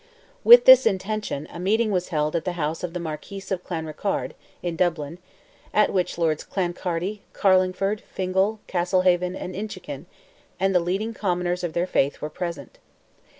With this intention a meeting was held at the house of the Marquis of Clanrickarde, in Dublin, at which Lords Clancarty, Carlingford, Fingal, Castlehaven, and Inchiquin, and the leading commoners of their faith, were present.